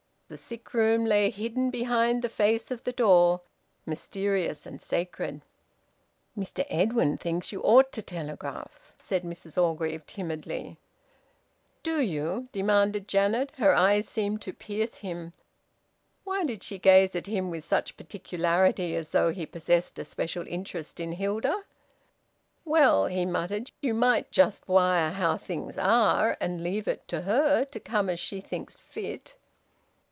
The sick room lay hidden behind the face of the door, mysterious and sacred. "Mr Edwin thinks you ought to telegraph," said Mrs Orgreave timidly. "Do you?" demanded Janet. Her eyes seemed to pierce him. Why did she gaze at him with such particularity, as though he possessed a special interest in Hilda? "Well " he muttered. "You might just wire how things are, and leave it to her to come as she thinks fit."